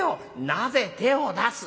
「なぜ手を出す！」。